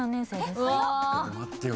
待ってよ。